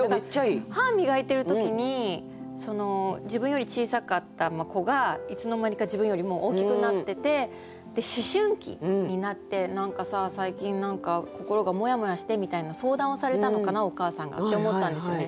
だから歯磨いている時に自分より小さかった子がいつの間にか自分よりもう大きくなってて思春期になって「何かさ最近何か心がモヤモヤして」みたいな相談をされたのかなお母さんがって思ったんですよね。